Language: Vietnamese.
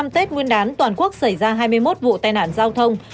ngày năm tết nguyên đán toàn quốc xảy ra hai mươi một vụ tai nạn giao thông